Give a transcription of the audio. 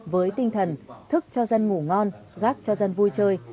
với tinh thần thức cho dân ngủ ngon gác cho dân vui chơi